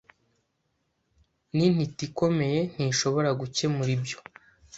Nintiti ikomeye ntishobora gukemura ibyo.